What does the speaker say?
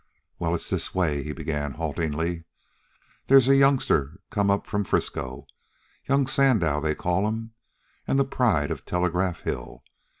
"Well, it's this way," he began haltingly. "They's a youngster come up from Frisco, Young Sandow they call 'm, an' the Pride of Telegraph Hill.